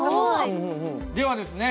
ではですね